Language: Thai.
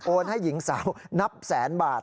ให้หญิงสาวนับแสนบาท